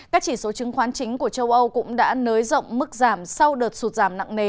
các chỉ số chứng khoán chính của châu âu cũng đã nới rộng mức giảm sau đợt sụt giảm nặng nề